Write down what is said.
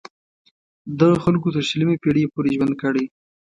دغو خلکو تر شلمې پیړۍ پورې ژوند کړی.